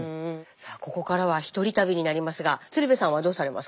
さあここからは一人旅になりますが鶴瓶さんはどうされますか？